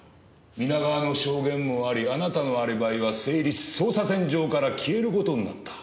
皆川の証言もありあなたのアリバイは成立捜査線上から消える事になった。